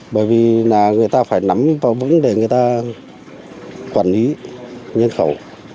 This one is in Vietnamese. bởi vì người ta phải nắm vào vững để người ta quản lý nhân khẩu